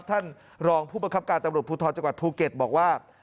ท่านรองผู้ประคับการตำรวจภูทรจังหวัดภูเก็ตบอกว่า